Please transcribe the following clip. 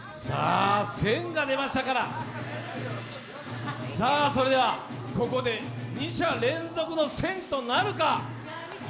１０００が出ましたから、それではここで２射連続の１０００となるか。